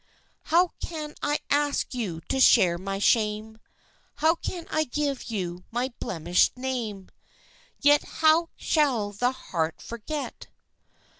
How can I ask you to share my shame, How can I give you my blemished name, Yet how shall the heart forget?